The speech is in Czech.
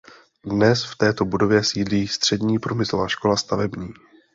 Dnes v této budově sídlí Střední průmyslová škola stavební.